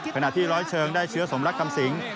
ขณะที่ร้อยเชิงได้เชื้อสมรักคำสิง